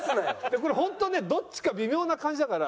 これ本当ねどっちか微妙な感じだから。